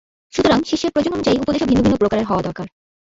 সুতরাং শিষ্যের প্রয়োজন অনুযায়ী উপদেশও ভিন্ন ভিন্ন প্রকারের হওয়া দরকার।